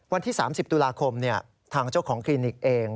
วันที่๓๐ตุลาคมทางเจ้าของคลินิกเอง